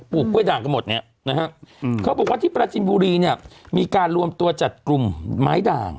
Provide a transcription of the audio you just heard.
กล้วยด่างกันหมดเนี่ยนะฮะเขาบอกว่าที่ปราจินบุรีเนี่ยมีการรวมตัวจัดกลุ่มไม้ด่าง